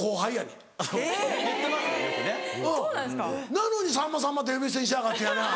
・なのに「さんまさんま」って呼び捨てにしやがってやな。